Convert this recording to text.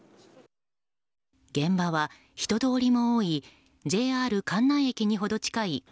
現場は人通りも多いＪＲ関内駅に程近い